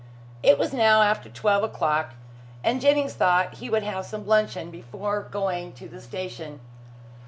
It was now after twelve o'clock, and Jennings thought he would have some luncheon before going to the station.